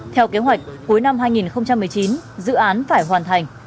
theo kế hoạch cuối năm hai nghìn một mươi chín dự án phải hoàn thành